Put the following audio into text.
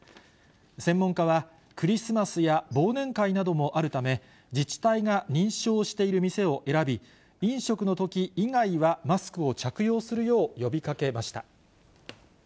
専門家は、クリスマスや忘年会などもあるため、飲食のとき以外はマスクを着用するよう呼びかけました。